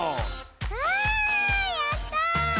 わあやった！